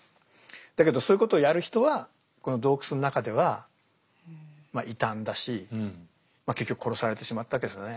だけどそういうことをやる人はこの洞窟の中では異端だし結局殺されてしまったわけですよね